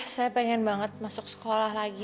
saya pengen banget masuk sekolah lagi